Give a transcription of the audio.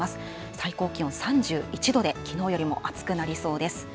最高気温３１度できのうより暑くなりそうです。